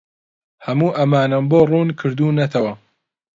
هەموو ئەمانەم بۆ ڕوون کردوونەتەوە.